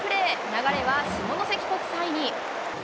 流れは下関国際に。